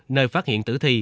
nơi phát hiện tử thi